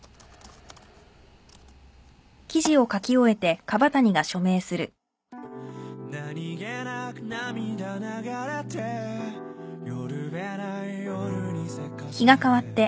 えっ！？